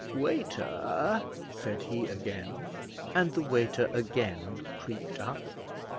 "Waiter," said he again, and the waiter again creaked up.